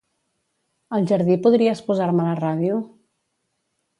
Al jardí podries posar-me la ràdio?